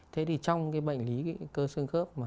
thế thì trong cái bệnh lý cơ sương khớp